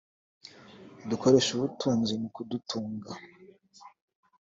Dukoresha ubutunzi mu kudutunga